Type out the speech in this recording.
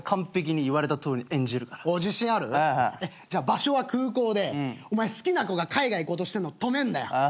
場所は空港でお前好きな子が海外行こうとしてるの止めんだよ。